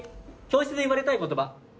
教室で言われたい言葉。